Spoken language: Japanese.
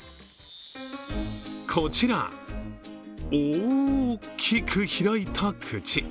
こちら、大きく開いた口。